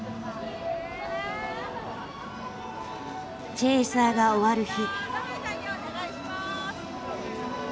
チェーサーが終わる日。